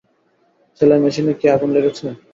সেলাই মেশিনে কি আগুন লেগেছে?